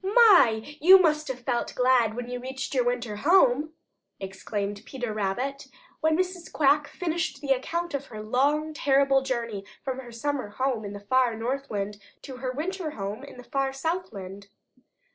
"My, you must have felt glad when you reached your winter home!" exclaimed Peter Rabbit when Mrs. Quack finished the account of her long, terrible journey from her summer home in the far Northland to her winter home in the far Southland.